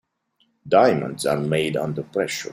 Diamonds are made under pressure.